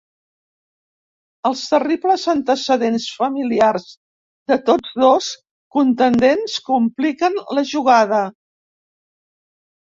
Els terribles antecedents familiars de tots dos contendents compliquen la jugada.